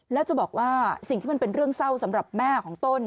แล้วจะบอกว่าสิ่งที่มันเป็นเรื่องเศร้าสำหรับแม่ของต้น